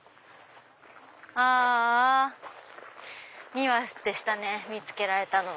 ああ２羽でしたね見つけられたのは。